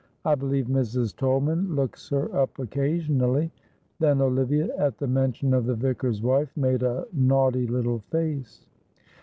I believe Mrs. Tolman looks her up occasionally." Then Olivia, at the mention of the vicar's wife, made a naughty little face.